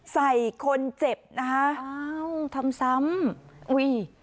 ใส่คนเจ็บนะคะอ้าวทำซ้ำอุ้ย